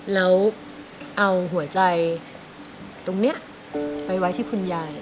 แล้วเอาหัวใจตรงนี้ไปไว้ที่คุณยาย